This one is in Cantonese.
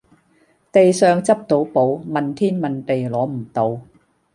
地上執到寶，問天問地攞唔到